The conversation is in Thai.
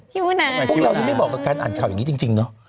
พี่บุญาพวกเรายังไม่บอกว่าการอ่านข่าวอย่างนี้จริงเนอะ